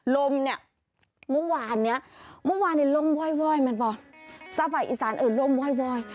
ลมเนี่ยเมื่อวานเนี่ยลมว่อยมันบอกสภัยอีสานลมว่อย